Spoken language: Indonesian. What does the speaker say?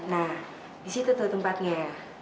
nah di situ tuh tempatnya